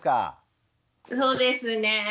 そうですねえ。